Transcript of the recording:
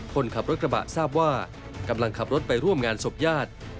คนขับรถกระบะทราบว่ากำลังขับรถไปร่วมงานศพญาติ